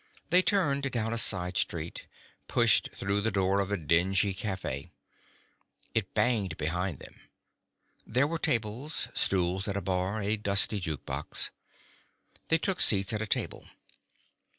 They turned down a side street, pushed through the door of a dingy cafe. It banged behind them. There were tables, stools at a bar, a dusty juke box. They took seats at a table.